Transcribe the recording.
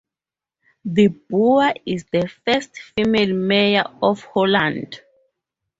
De Boer is the first female mayor of Holland.